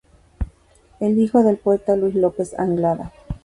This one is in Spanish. Es hijo del poeta Luis López Anglada.